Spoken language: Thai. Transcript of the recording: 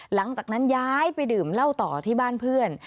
หลังจากนั้นย้ายไปดื่มเหล้าต่อที่บ้านเพื่อน